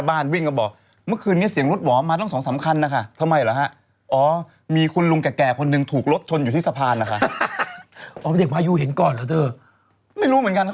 วันนี้ก็เรียกคำถามชื่อรายการข่าวใส่ไข่เหรอ